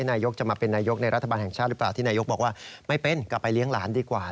นายกจะมาเป็นนายกในรัฐบาลแห่งชาติหรือเปล่าที่นายกบอกว่าไม่เป็นกลับไปเลี้ยงหลานดีกว่า